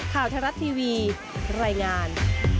ข่าวไทยรัฐทีวีรายงาน